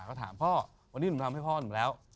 ก็ถามพ่อวันนี้หนูทำให้พ่อหนูแล้ว